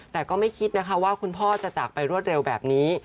แต่ก็ไม่คิดนะคะว่าคุณพ่อจะจากไปรวดเร็วแบบนี้